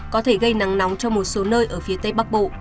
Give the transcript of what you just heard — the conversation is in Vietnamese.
có thể gây nắng nóng cho một số nơi ở phía tây bắc bộ